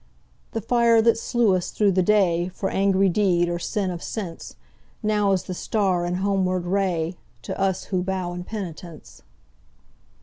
The fire that slew us through the dayFor angry deed or sin of senseNow is the star and homeward rayTo us who bow in penitence.